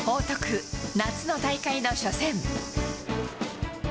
報徳、夏の大会の初戦。